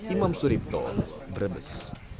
imam suripto brebes